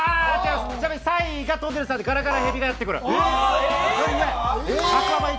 ちなみに３位がとんねるずさんの「ガラガラヘビがやってくる」。